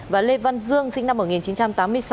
và lê văn dương sinh năm một nghìn chín trăm tám mươi sáu